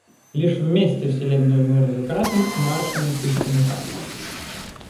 Лишь вместе вселенную мы разукрасим и маршами пустим ухать.